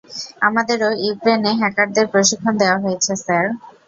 আমাদেরও ইউক্রেনে হ্যাকারদের প্রশিক্ষণ দেওয়া হয়েছে, স্যার।